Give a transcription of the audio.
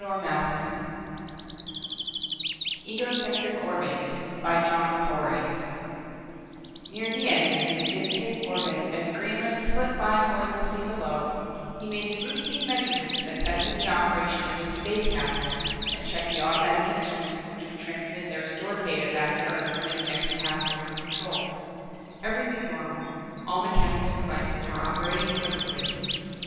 _ By JOHN CORY Illustrated by Gardner Near the end of his fifteenth orbit as Greenland slipped by noiselessly below, he made the routine measurements that tested the operation of his space capsule and checked the automatic instruments which would transmit their stored data to Earth on his next pass over Control. Everything normal; all mechanical devices were operating perfectly.